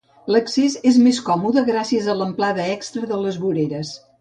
L'accés és més còmode gràcies a l'amplada extra de les voreres.